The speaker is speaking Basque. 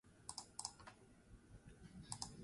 Behin askatasuna lortuta, Estatu Batuetan erbesteratu zen.